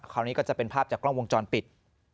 คราวนี้ก็จะเป็นภาพจากกล้องวงจรปิด